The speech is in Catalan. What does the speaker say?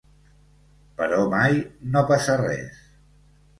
Però mai no passa res.